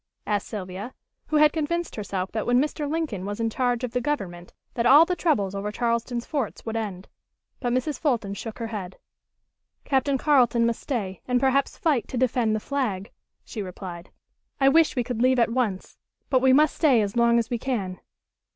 asked Sylvia, who had convinced herself that when Mr. Lincoln was in charge of the Government that all the troubles over Charleston's forts would end. But Mrs. Fulton shook her head. "Captain Carleton must stay and perhaps fight to defend the flag," she replied. "I wish we could leave at once, but we must stay as long as we can."